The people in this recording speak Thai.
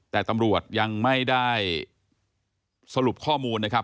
แต่ตำรวจยังไม่ได้สรุปข้อมูลนะครับ